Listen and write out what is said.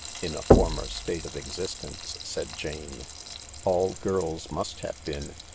"In a former state of existence," said Jane. "All girls must have been.